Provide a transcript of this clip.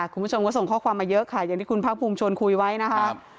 คุณผู้ชมก็ส่งข้อความมาเยอะค่ะอย่างที่คุณภาคภูมิชวนคุยไว้นะครับ